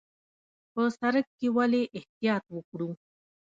په سړک کې ولې احتیاط وکړو؟